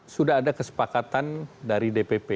sudah ada kesepakatan dari dpp